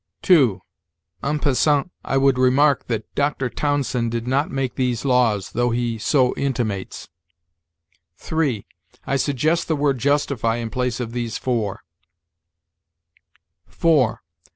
2. En passant I would remark that Dr. Townsend did not make these laws, though he so intimates. 3. I suggest the word justify in place of these four.